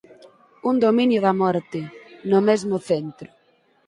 Un dominio da morte, no mesmo centro